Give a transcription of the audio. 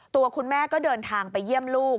ตัวคุณแม่ก็เดินทางไปเยี่ยมลูก